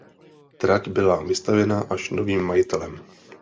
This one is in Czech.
Trať byla vystavěna až novým majitelem.